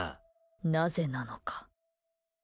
なぜなのか。